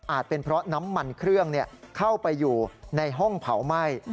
เป็นเพราะน้ำมันเครื่องเข้าไปอยู่ในห้องเผาไหม้